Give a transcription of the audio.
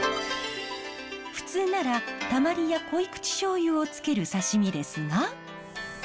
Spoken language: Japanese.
普通ならたまりや濃い口しょうゆをつける刺身ですが。